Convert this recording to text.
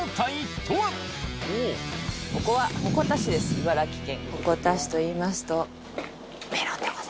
茨城県。